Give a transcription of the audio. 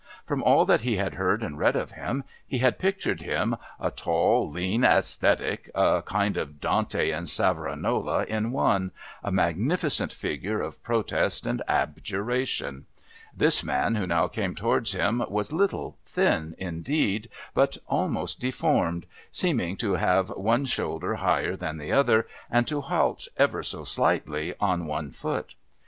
From all that he had heard and read of him, he had pictured him a tall, lean ascetic, a kind of Dante and Savonarola in one, a magnificent figure of protest and abjuration. This man who now came towards him was little, thin, indeed, but almost deformed, seeming to have one shoulder higher than the other, and to halt ever so slightly on one foot.